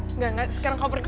enggak enggak sekarang kau pergi